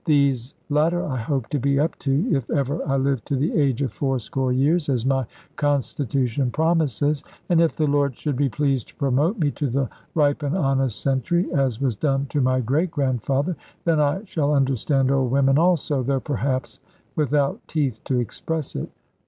These latter I hope to be up to, if ever I live to the age of fourscore years, as my constitution promises. And if the Lord should be pleased to promote me to the ripe and honest century (as was done to my great grandfather), then I shall understand old women also, though perhaps without teeth to express it.